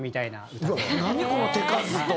この手数と。